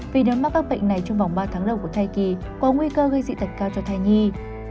vì nếu mắc các bệnh này trong vòng ba tháng đầu của thai kỳ có nguy cơ gây dị tật cao cho thai nhi